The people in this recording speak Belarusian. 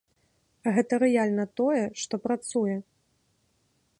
Гэта рэальна тое, што працуе.